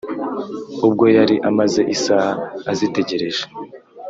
ubwo yari amaze isaha azitegereje